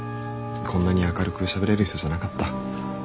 こんなに明るくしゃべれる人じゃなかった。